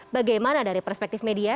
bagaimana dari perspektif media